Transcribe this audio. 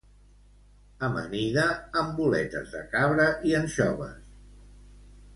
Amanida amb boletes de cabra i anxoves